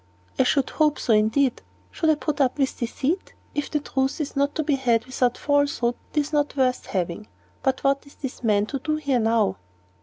"I should hope so, indeed. Should I put up with deceit? If the truth is not to be had without falsehood, it is not worth having. But what is this man to do here now?"